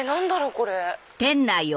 これ。